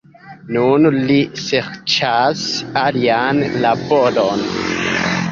Nun li serĉas alian laboron.